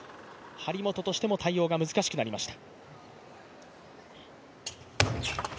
張本としても対応が難しくなりました。